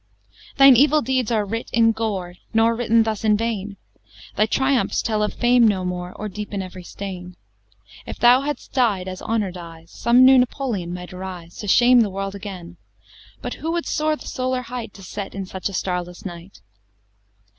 XI Thine evil deeds are writ in gore, Nor written thus in vain Thy triumphs tell of fame no more, Or deepen every stain: If thou hadst died as honour dies, Some new Napoleon might arise, To shame the world again But who would soar the solar height, To set in such a starless night?